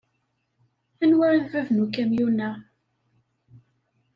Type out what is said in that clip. Anwa i d bab n ukamyun-a?